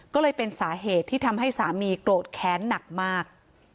ก็เลยเป็นสาเหตุที่ทำให้สามีโกรธแค้นหนักมาก